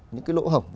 những cái lỗ hổng